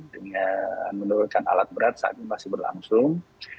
dengan menurunkan alat berat saat ini masih berlangsung